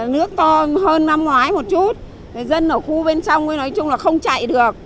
nước to hơn năm ngoái một chút dân ở khu bên trong nói chung là không chạy được